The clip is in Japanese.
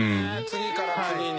次から次に。